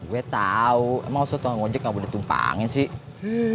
gue tau emang usah tukang ngocet gak boleh tumpangin sih